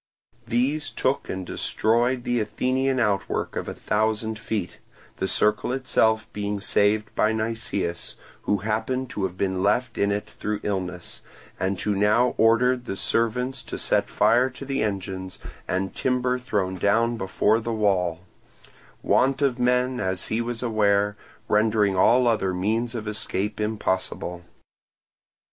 These took and destroyed the Athenian outwork of a thousand feet, the Circle itself being saved by Nicias, who happened to have been left in it through illness, and who now ordered the servants to set fire to the engines and timber thrown down before the wall; want of men, as he was aware, rendering all other means of escape impossible.